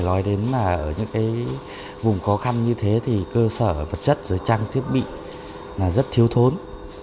ngoài đến ở những vùng khó khăn như thế thì cơ sở vật chất trang thiết bị rất thiếu thốn